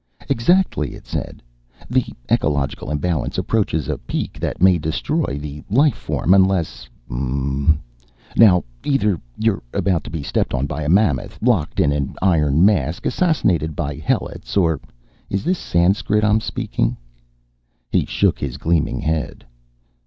"Exactly," it said. "The ecological imbalance approaches a peak that may destroy the life form, unless ... mm m. Now either you're about to be stepped on by a mammoth, locked in an iron mask, assassinated by helots, or is this Sanskrit I'm speaking?" He shook his gleaming head.